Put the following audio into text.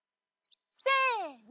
せの！